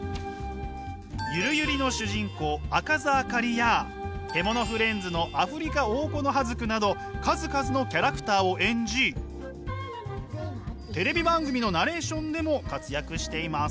「ゆるゆり」の主人公赤座あかりや「けものフレンズ」のアフリカオオコノハズクなど数々のキャラクターを演じテレビ番組のナレーションでも活躍しています。